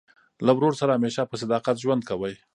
له ورور سره همېشه په صداقت ژوند کوئ!